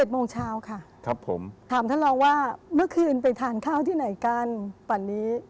โมงเช้าค่ะครับผมถามท่านรองว่าเมื่อคืนไปทานข้าวที่ไหนกันปั่นนี้